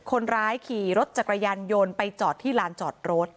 คนร้ายขี่รถจักรยานยนต์ไปจอดที่ลานจอดรถ